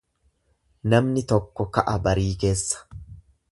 Namni tokko ka'a barii keessa.